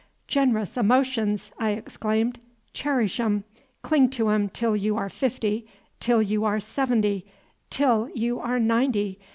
"Generous emotions!" I exclaimed. "Cherish 'em; cling to 'em till you are fifty, till you are seventy, till you are ninety!